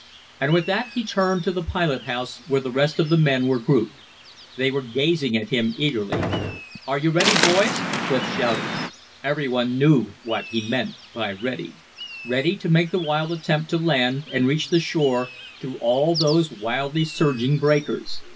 And with that he turned to the pilot house, where the rest of the men were grouped. They were gazing at him eagerly. "Are you ready, boys?" Clif shouted. Every one knew what he meant by "ready" ready to make the wild attempt to land and reach the shore through all those wildly surging breakers.